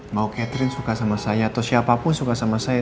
mau catherine suka sama saya atau siapapun suka sama saya